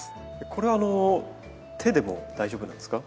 これはあの手でも大丈夫なんですか？